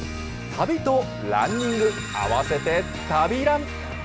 旅とランニング、合わせて旅ラン。